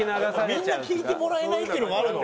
みんな聞いてもらえないっていうのがあるんだね。